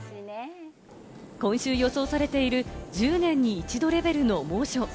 今週予想されている１０年に一度レベルの猛暑。